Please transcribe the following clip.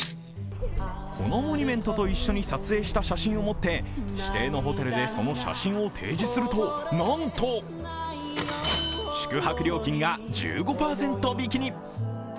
このモニュメントと一緒に撮影した写真を持って、指定のホテルでその写真を提示すると、なんと宿泊料金が１５％引きに！